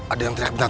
ada yang teriak benar